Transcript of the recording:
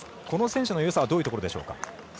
この選手のよさはどういうところでしょうか？